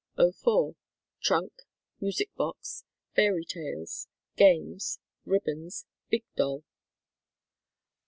'04. Trunk, music box, Fairy Tales, games, ribbons, big doll.